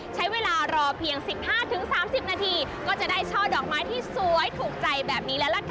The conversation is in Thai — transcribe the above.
ใช้เวลารอเพียง๑๕๓๐นาทีก็จะได้ช่อดอกไม้ที่สวยถูกใจแบบนี้แล้วล่ะค่ะ